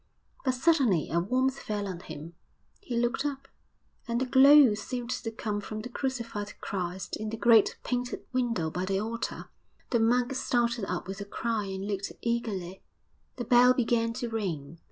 But suddenly a warmth fell on him; he looked up, and the glow seemed to come from the crucified Christ in the great painted window by the altar. The monk started up with a cry and looked eagerly; the bell began to ring.